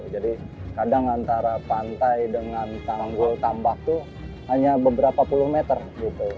jadi kadang antara pantai dengan tanggul tambak tuh hanya beberapa puluh meter gitu